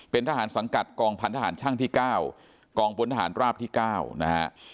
เป็นทหารสังกัดกองพันธหารช่างที่๙กองพลทหารราบที่๙นะฮะ